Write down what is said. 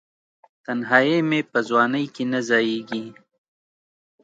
تنهایې مې په ځوانۍ کې نه ځائیږې